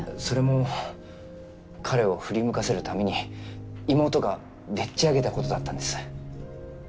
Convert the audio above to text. それも彼を振り向かせるために妹がでっちあげた事だったんです。